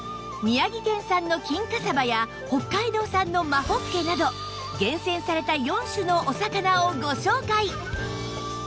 宮城県産の金華さばや北海道産の真ほっけなど厳選された４種のお魚をご紹介